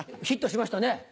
ヒットしましたね。